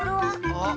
あっ。